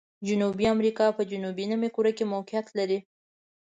جنوبي امریکا په جنوبي نیمه کره کې موقعیت لري.